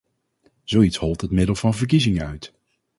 Zoiets holt het middel van verkiezingen uit.